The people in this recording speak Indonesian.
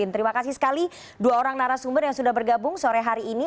terima kasih sekali dua orang narasumber yang sudah bergabung sore hari ini